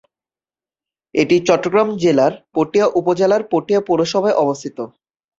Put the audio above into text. এটি চট্টগ্রাম জেলার পটিয়া উপজেলার পটিয়া পৌরসভায় অবস্থিত।